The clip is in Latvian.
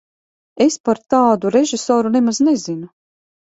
Es par tādu režisoru nemaz nezinu.